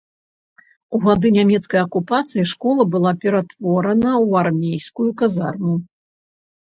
У гады нямецкай акупацыі школа была ператворана ў армейскую казарму.